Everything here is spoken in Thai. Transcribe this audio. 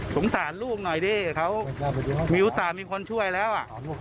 สงสารลูกหน่อยดิเขามีโอกาสมีคนช่วยแล้ว